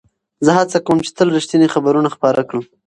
زه هڅه کوم چې تل رښتیني خبرونه خپاره کړم.